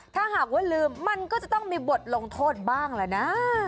ถ้าหากว่าลืมมันก็จะต้องมีบทลงโทษบ้างล่ะนะ